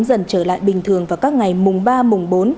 dần trở lại bình thường vào các ngày mùng ba mùng bốn